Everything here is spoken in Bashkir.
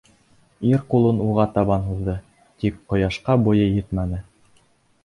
Ир ҡулын уға табан һуҙҙы, тик «ҡояш»ҡа буйы етмәне.